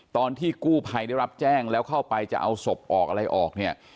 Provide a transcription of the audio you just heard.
ตอนที่กู้ภัยได้รับแจ้งแล้วเข้าไปจะเอาศพออกอะไรออกเนี่ย